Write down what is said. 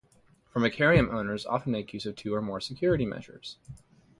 Formicarium owners often make use of two or more security measures.